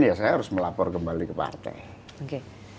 ya saya harus melapor kembali ke partai